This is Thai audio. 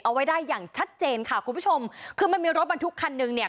เอาไว้ได้อย่างชัดเจนค่ะคุณผู้ชมคือมันมีรถบรรทุกคันหนึ่งเนี่ย